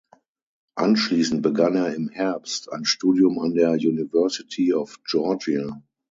Anschließend begann er im Herbst ein Studium an der University of Georgia.